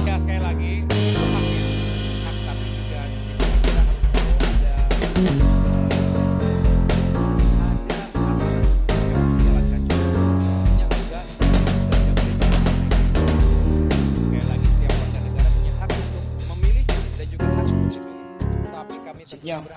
sekali lagi kita memakai hak tapi juga kita harus berharap